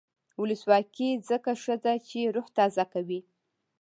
ولسواکي ځکه ښه ده چې روح تازه کوي.